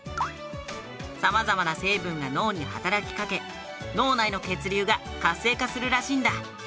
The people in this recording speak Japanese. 様々な成分が脳に働きかけ脳内の血流が活性化するらしいんだ。